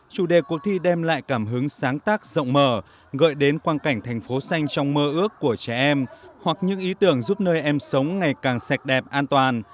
chủ đề cuộc thi đem lại cảm hứng sáng tác rộng mở gợi đến quan cảnh thành phố xanh trong mơ ước của trẻ em hoặc những ý tưởng giúp nơi em sống ngày càng sạch đẹp an toàn